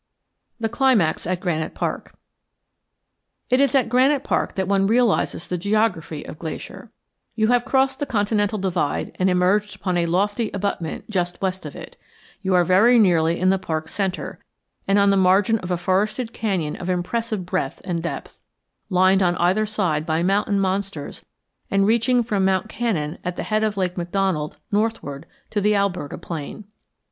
THE CLIMAX AT GRANITE PARK It is at Granite Park that one realizes the geography of Glacier. You have crossed the continental divide and emerged upon a lofty abutment just west of it. You are very nearly in the park's centre, and on the margin of a forested canyon of impressive breadth and depth, lined on either side by mountain monsters, and reaching from Mount Cannon at the head of Lake McDonald northward to the Alberta plain.